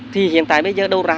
thì hiện tại bây giờ đâu ra